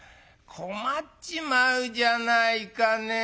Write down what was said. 「困っちまうじゃないかねぇ。